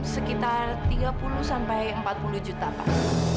sekitar tiga puluh sampai empat puluh juta pak